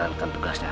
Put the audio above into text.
jangan kalau saya